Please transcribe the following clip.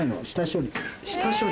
下処理？